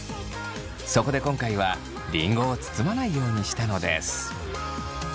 そこで今回はりんごを包まないようにしたのです。